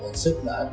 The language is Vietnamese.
với sức đã trở